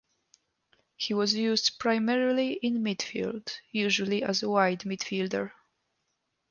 He was used primarily in midfield, usually as a wide midfielder.